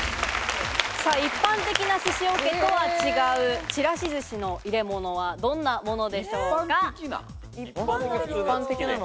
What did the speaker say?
一般的な寿司桶とは違う、ちらしずしの入れ物はどんなものでしょうか？